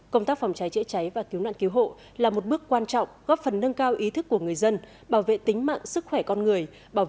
công tác phòng cháy chữa cháy và cứu nạn cứu hộ là một bước quan trọng góp phần nâng cao ý thức của người dân bảo vệ tính mạng sức khỏe con người